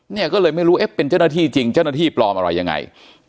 เนี่ยก็เลยไม่รู้เอ๊ะเป็นเจ้าหน้าที่จริงเจ้าหน้าที่ปลอมอะไรยังไง